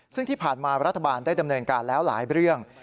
ซึ่งที่ผ่านมารัฐบาลได้ดำเนินการแล้วหลายเรื่อง